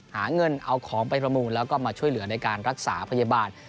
หาเงินเอาของไปประมูลแล้วก็มาช่วยเหลือในการรักษาพยาบาล